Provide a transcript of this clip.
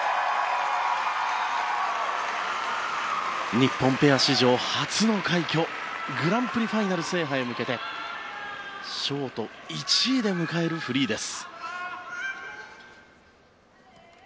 日本ペア史上初の快挙グランプリファイナル制覇へ向けてショート１位で迎えるフリーです。